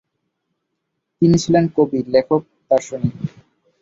তিনি ছিলেন কবি, লেখক, দার্শনিক।